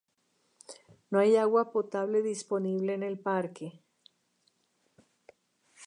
No hay agua potable disponible en el parque.